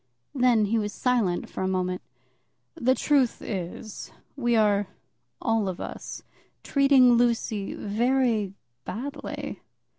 Then he was silent for a moment. "The truth is, we are, all of us, treating Lucy very badly."